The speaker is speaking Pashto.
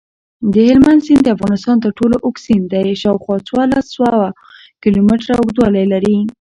دهلمند سیند دافغانستان ترټولو اوږد سیند دی شاوخوا څوارلس سوه کیلومتره اوږدوالۍ لري.